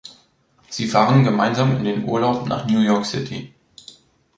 Sie fahren gemeinsam in den Urlaub nach New York City.